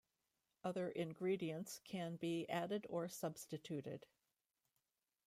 Other ingredients can be added or substituted.